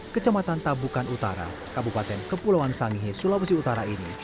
kecamatan tabukan utara kabupaten kepulauan sangihe sulawesi utara ini